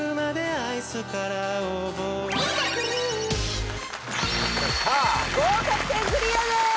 合格点クリアです！